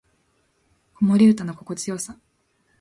子守唄の心地よさ